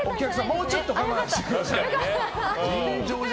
もうちょっと我慢してくださいね。